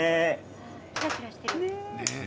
キラキラしている。